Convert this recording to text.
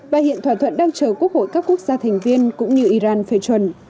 và hiện thỏa thuận đang chờ quốc hội các quốc gia thành viên cũng như iran phê chuẩn